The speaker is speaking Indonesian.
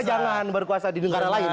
jangan berkuasa di negara lain